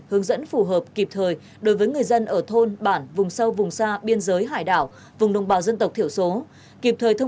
hướng dẫn phù hợp kịp thời đối với người dân ở thôn bản vùng sâu vùng xa biên giới hải đảo vùng đồng bào dân tộc thiểu số